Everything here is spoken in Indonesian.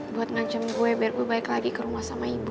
buat ngancem gue biar gue balik lagi ke rumah sama ibu